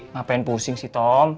ngapain pusing sih tom